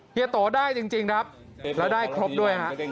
เฮียโตได้จริงแล้วได้ครบด้วย